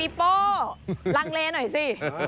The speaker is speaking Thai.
โป้ลังเลหน่อยสิ